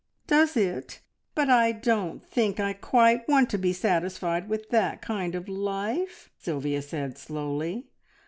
"Does it? But I don't think I quite want to be satisfied with that kind of life," Sylvia said slowly.